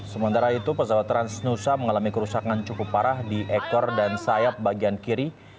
sementara itu pesawat transnusa mengalami kerusakan cukup parah di ekor dan sayap bagian kiri